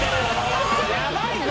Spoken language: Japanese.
やばいぞ！